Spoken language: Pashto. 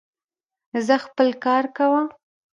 ځاا خپل کار کوه